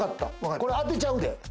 これ当てちゃうで。